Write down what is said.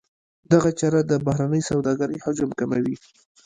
دغه چاره د بهرنۍ سوداګرۍ حجم کموي.